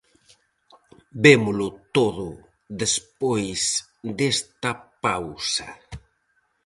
Vémolo todo despois desta pausa.